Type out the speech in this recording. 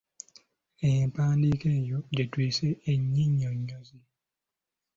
Empandiika eyo gye tuyise ennyinnyonyozi.